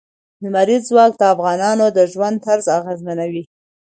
لمریز ځواک د افغانانو د ژوند طرز اغېزمنوي.